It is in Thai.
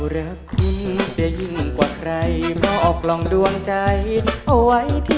ดวงใจเอาไว้ที่คุ้ม